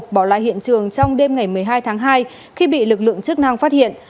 bỏ lại hiện trường trong đêm ngày một mươi hai tháng hai khi bị lực lượng chức năng phát hiện